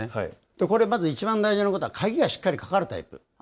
これ、まず一番大事なことは、鍵がしっかりかかるタイプ。